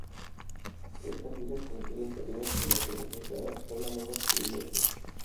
Estas islas constituyen pequeñas poblaciones aisladas que hablan lenguas polinesias.